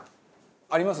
あります？